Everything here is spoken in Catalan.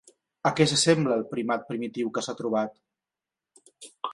A què s'assembla el primat primitiu que s'ha trobat?